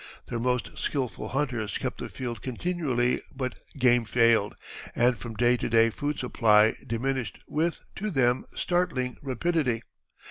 Their most skilful hunters kept the field continually, but game failed, and from day to day food supply diminished with, to them, startling rapidity.